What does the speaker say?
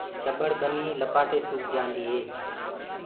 چٻڙ ٻني لپآٽي سوُڪ جآندي هي۔